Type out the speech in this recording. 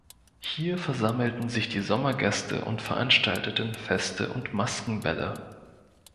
Hier versammelten sich die Sommergäste und veranstalteten Feste und Maskenbälle.